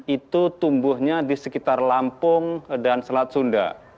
itu tumbuhnya di sekitar lampung dan selat sunda